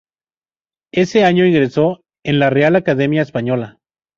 Ese año ingresó en la Real Academia Española.